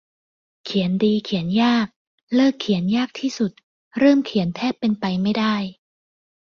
เขียนดีเขียนยาก เลิกเขียนยากที่สุด เริ่มเขียนแทบเป็นไปไม่ได้